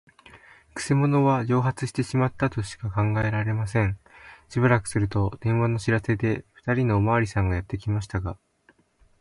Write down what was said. くせ者は蒸発してしまったとしか考えられません。しばらくすると、電話の知らせで、ふたりのおまわりさんがやってきましたが、